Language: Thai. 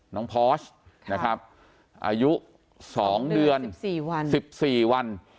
พอร์ชนะครับอายุ๒เดือน๑๔วัน